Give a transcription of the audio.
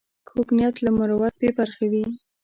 کوږ نیت له مروت بې برخې وي